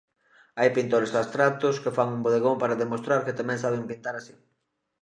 Hai pintores abstractos que fan un bodegón para demostrar que tamén saben pintar así.